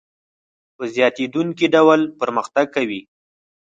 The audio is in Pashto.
په زیاتېدونکي ډول پرمختګ کوي